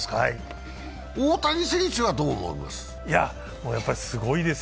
大谷選手はどう思います？